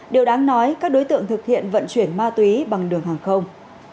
điều đáng nói các đối tượng thực hiện vận chuyển ma túy bằng đường hàng không